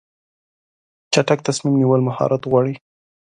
چټک تصمیم نیول مهارت غواړي.